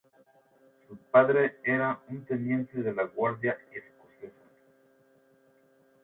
Su padre era un teniente de la Guardia Escocesa.